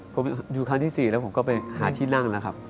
ผมอยู่ครั้งที่๔แล้วผมก็ไปหาที่นั่งแล้วครับ